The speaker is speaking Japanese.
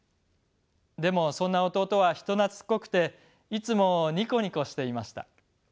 でもそんな弟は人懐っこくていつもニコニコしていました。